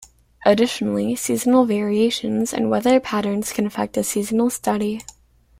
Additionally, seasonal variations and weather patterns can affect a seasonal study.